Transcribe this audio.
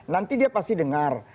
nanti dia pasti dengar